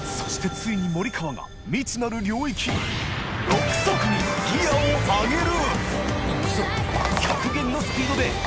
ついに森川が未知なる領域饗ギアを上げる！